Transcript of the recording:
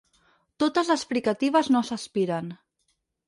Totes les fricatives no s'aspiren.